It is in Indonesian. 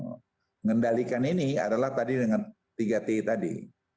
mengendalikan ini adalah tadi dengan tiga t tadi